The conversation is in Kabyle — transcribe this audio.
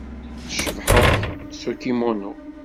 Tcebḥeḍ s ukimunu.